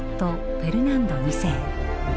フェルナンド二世。